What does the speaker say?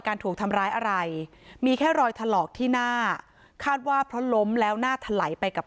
ถูกทำร้ายอะไรมีแค่รอยถลอกที่หน้าคาดว่าเพราะล้มแล้วหน้าถลายไปกับ